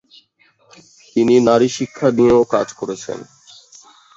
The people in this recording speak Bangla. তিনি নারীশিক্ষা নিয়েও কাজ করেছেন।